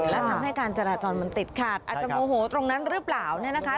และทำให้การจราจรมันติดขาดอาจจะโมโหตรงนั้นหรือเปล่าเนี่ยนะคะ